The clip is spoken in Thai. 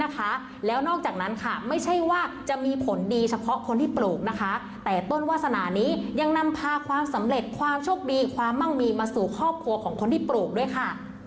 แล้วนอกจากนั้นค่ะไม่ใช่ว่าจะมีผลดีเฉพาะคนที่ปลูกนะคะแต่ต้นวาสนานี้ยังนำพาความสำเร็จความโชคดีความมั่งมีมาสู่ครอบครัวของคนที่ปลูกด้วยค่ะ